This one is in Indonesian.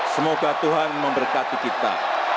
semoga tuhan memberkati kita